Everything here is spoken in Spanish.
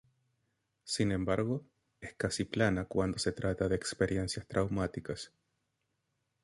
Sin embargo, es casi plana cuando se trata de experiencias traumáticas.